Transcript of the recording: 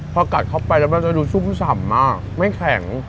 พอกัดเข้าไปมันจะดูซุ้มส่ำไม่แข็ง